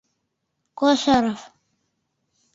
Косоров.